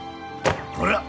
ほら！